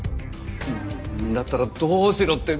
だったらどうしろって？